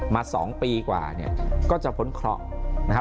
มา๒ปีกว่าก็จะผลเคราะห์